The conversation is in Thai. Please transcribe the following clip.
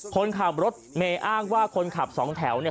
คนขับรถเมย์อ้างว่าคนขับสองแถวเนี่ย